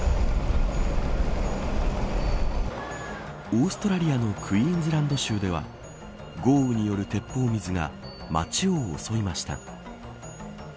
オーストラリアのクイーンズランド州では豪雨による鉄砲水が町を襲いました。